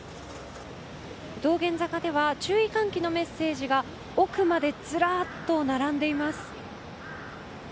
道玄坂では注意喚起のメッセージが奥までずらっと並んでいます。